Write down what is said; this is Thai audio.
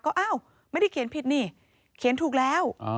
ก็อ้าวไม่ได้เขียนผิดนี่เขียนถูกแล้ว